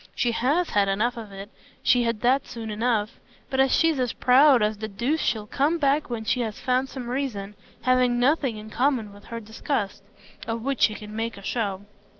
She HAS had enough of it, she had that soon enough; but as she's as proud as the deuce she'll come back when she has found some reason having nothing in common with her disgust of which she can make a show.